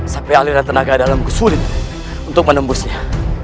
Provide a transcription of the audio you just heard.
sampai aliran tenaga dalam kesulitan untuk menembusnya